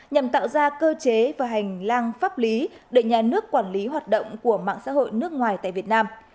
nhằm tạo ra cơ chế và hành lang pháp lý để nhà nước quản lý hoạt động của mạng xã hội nước ngoài tại việt nam